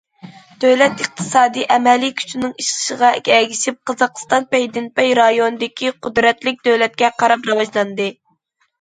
دۆلەت ئىقتىسادىي ئەمەلىي كۈچىنىڭ ئېشىشىغا ئەگىشىپ، قازاقىستان پەيدىنپەي رايوندىكى قۇدرەتلىك دۆلەتكە قاراپ راۋاجلاندى.